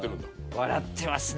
笑ってますね。